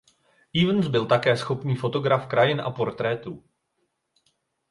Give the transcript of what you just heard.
Evans byl také schopný fotograf krajin a portrétů.